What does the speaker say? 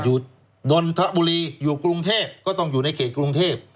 นนทบุรีอยู่กรุงเทพก็ต้องอยู่ในเขตกรุงเทพ